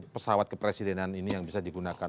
pesawat kepresidenan ini yang bisa digunakan